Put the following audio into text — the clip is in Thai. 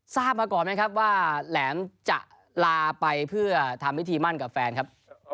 ท่านรู้หรือไม่จำ่ว่าแหลมจะลาไปเพื่อทำพฤติมั่นครับ